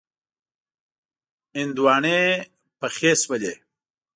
هندواڼی پخې شولې.